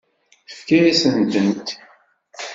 Tefka-yasent-tent?